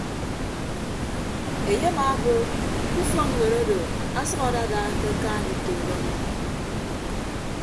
Enye amaabo ke ufọkñwet odo ọsʌk adada ke akaan itooro ọmọ.